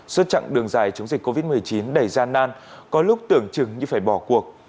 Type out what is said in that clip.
suốt chặng đường dài chống dịch covid một mươi chín đầy gian nan có lúc tưởng chừng như phải bỏ cuộc